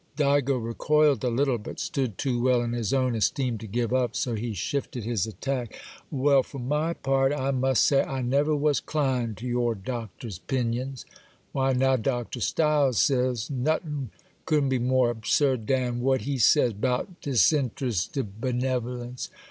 Digo recoiled a little, but stood too well in his own esteem to give up; so he shifted his attack. 'Well, for my part, I must say I never was 'clined to your Doctor's 'pinions. Why, now, Dr. Stiles says, notin' couldn't be more absurd dan what he says 'bout disinterested benevolence.